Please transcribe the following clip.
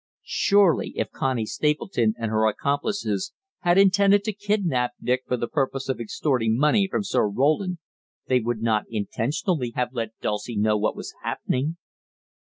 Surely if Connie Stapleton and her accomplices had intended to kidnap Dick for the purpose of extorting money from Sir Roland, they would not intentionally have let Dulcie know what was happening.